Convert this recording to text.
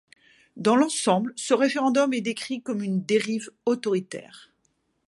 Dans l'ensemble, ce référendum est décrit comme une dérive autoritaire.